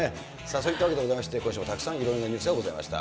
そういったわけでございまして、今週もたくさんいろんなニュースがありました。